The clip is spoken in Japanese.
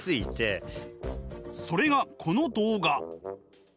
それがこの動画。